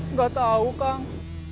nggak tahu kang